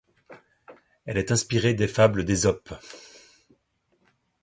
Elle est inspirée des Fables d'Ésope.